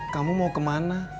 kamu mau kemana